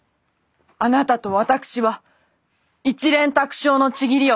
あなたと私は一蓮托生の契りを交わしたことになります。